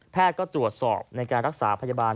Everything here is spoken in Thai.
ก็ตรวจสอบในการรักษาพยาบาล